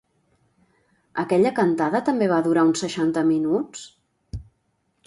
Aquella cantada també va durar uns seixanta minuts?